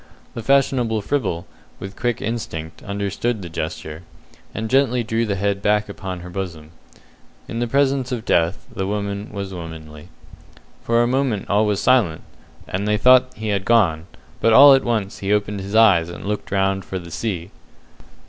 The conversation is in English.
The fashionable fribble, with quick instinct, understood the gesture, and gently drew the head back upon her bosom. In the presence of death the woman was womanly. For a moment all was silent, and they thought he had gone; but all at once he opened his eyes and looked round for the sea.